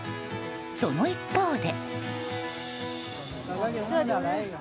その一方で。